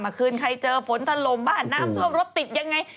เมื่อคืนใครเจอฝนถล่มบ้านน้ำท่วมรถติดยังไง